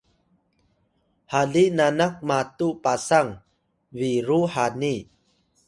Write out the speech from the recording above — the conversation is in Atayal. haliy nanak matu Pasang biru hani